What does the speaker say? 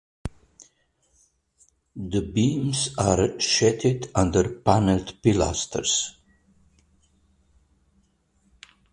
The beams are sheathed under paneled pilasters.